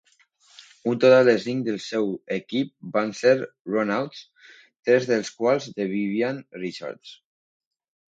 Un total de cinc del seu equip van ser "run outs", tres dels quals de Vivian Richards.